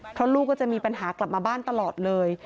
เพราะลูกก็จะมีปัญหากลับมาบ้านตลอดเลย